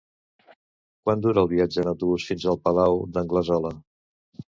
Quant dura el viatge en autobús fins al Palau d'Anglesola?